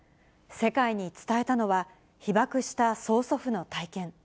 世界に伝えたのは、被爆した曽祖父の体験。